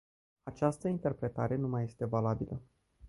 Această interpretare nu mai este valabilă.